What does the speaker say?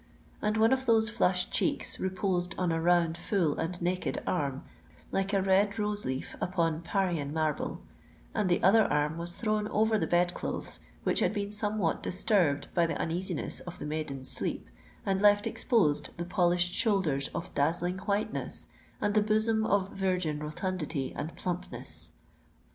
And one of those flushed cheeks reposed on a round, full, and naked arm, like a red rose leaf upon Parian marble;—and the other arm was thrown over the bed clothes, which had been somewhat disturbed by the uneasiness of the maiden's sleep, and left exposed the polished shoulders of dazzling whiteness and the bosom of virgin rotundity and plumpness.